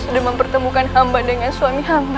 sudah mempertemukan hamba dengan suami hamba